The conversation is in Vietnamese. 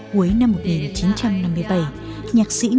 cuối năm một nghìn chín trăm năm mươi bảy